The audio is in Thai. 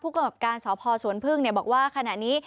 กับการสพสวนพึ่งบอกว่าขณะนี้